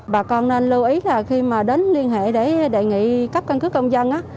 bà con nên lưu ý là khi mà đến liên hệ để đề nghị cấp căn cứ công dân